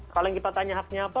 kalau yang kita tanya haknya apa